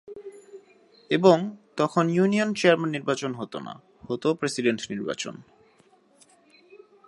এবং তখন union chairman নির্বাচন হত না হত প্রেসিডেন্ট নির্বাচন।